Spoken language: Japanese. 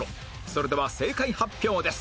それでは正解発表です